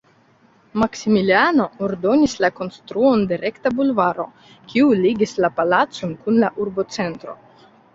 Maksimiliano ordonis la konstruon de rekta bulvardo, kiu ligis la palacon kun la urbocentro.